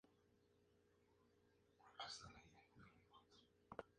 El video fue dirigido por Anthony Mandler y fue filmado en los Estudios Pinewood.